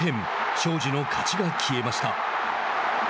荘司の勝ちが消えました。